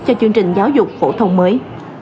cho chương trình giáo dục phổ thông mới